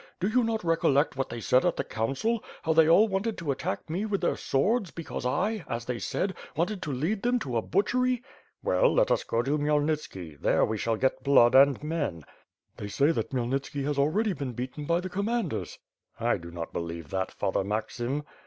Do you not recollect what they said at the council? How they all wanted to attack me with their swords because I, as they said, wanted to lead them to a butchery?*^ "Well, let us go to Khmyelnitski. There we shall get blood and men.^^ "They say that Eiimyelnitski has already been beaten by the commanders." "I do not belieye that. Father Maxim.